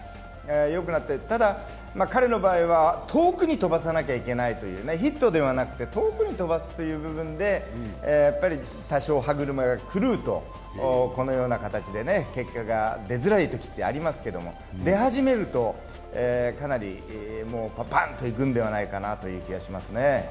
ただ、彼の場合は遠くに飛ばさなきゃいけないというね、ヒットではなくて、遠くに飛ばすという部分で、多少、歯車が狂うと、このような形で結果が出づらいときがありますけど、出始めるとかなりパンパンといくんではないかなという気がしますね。